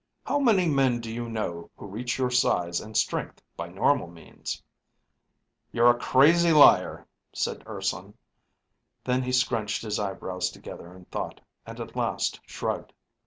How many men do you know who reach your size and strength by normal means?" "You're a crazy liar," said Urson. Then he scrunched his eyebrows together in thought, and at last shrugged.